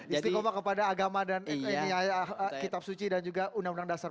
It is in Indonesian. istiqomah kepada agama dan kitab suci dan juga undang undang dasar